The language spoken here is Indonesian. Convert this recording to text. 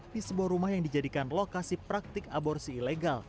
di sebuah rumah yang dijadikan lokasi praktik aborsi ilegal